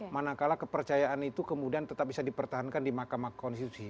manakala kepercayaan itu kemudian tetap bisa dipertahankan di mahkamah konstitusi